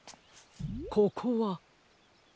ここは。